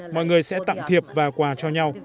mọi người sẽ tặng thiệp và quà cho nhau